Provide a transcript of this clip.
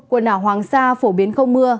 quần đảo hoàng sa phổ biến không mưa